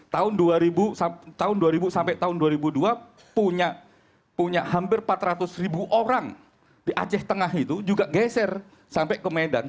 tahun dua ribu sampai tahun dua ribu dua punya hampir empat ratus ribu orang di aceh tengah itu juga geser sampai ke medan